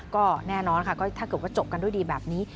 ก็แน่นอนค่ะก็ถ้าเกิดว่าจบกันด้วยดีแบบนี้